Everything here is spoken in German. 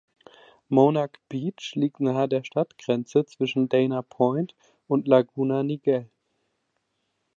Monarch Beach liegt nahe der Stadtgrenze zwischen Dana Point und Laguna Niguel.